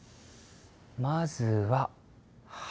まずは春。